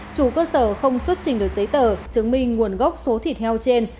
chủ cơ sở không xuất trình được giấy tờ chứng minh nguồn gốc số thịt heo trên